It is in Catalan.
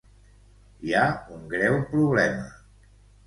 Hi ha un greu problema.